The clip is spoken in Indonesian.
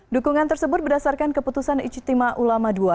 dukungan tersebut berdasarkan keputusan ijtima ulama ii